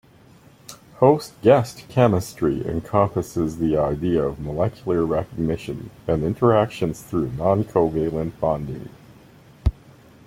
Host-guest chemistry encompasses the idea of molecular recognition and interactions through noncovalent bonding.